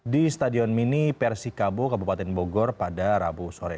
di stadion mini persikabo kabupaten bogor pada rabu sore